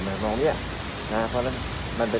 ำว่าเนี่ยอย่ามาเรียก